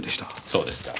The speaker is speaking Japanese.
そうですか。